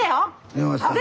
電話したる。